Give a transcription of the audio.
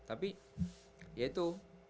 tapi ya itu